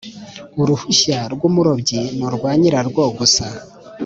Uruhushya rw umurobyi ni urwa nyirarwo gusa